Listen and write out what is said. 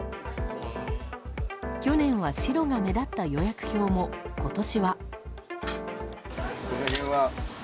去年は白が目立った予約表も今年は。